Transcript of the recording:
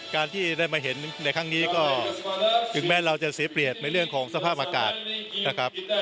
การที่ได้มาเห็นในครั้งนี้ก็ถึงแม้เราจะเสียเปรียบในเรื่องของสภาพอากาศนะครับ